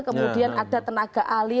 kemudian ada tenaga ahli